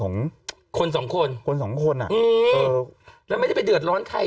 ของคนสองคนคนสองคนอ่ะอืมเออแล้วไม่ได้ไปเดือดร้อนใคร